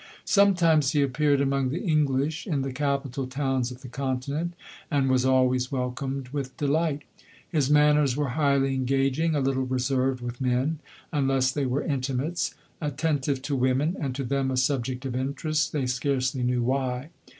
Sometimes he appeared among the English in the capital towns of the continent, and was always welcomed with delight. His manners were highly engaging, a little reserved with men, unless they were intimates, attentive to women, and to them a subject of interest, they scarcely knew why.